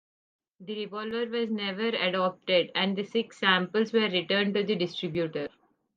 The revolver was never adopted and the six samples were returned to the distributor.